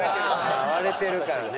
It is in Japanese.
ああ割れてるからね。